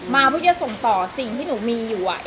มาเพื่อจะส่งต่อสิ่งที่หนูมีอยู่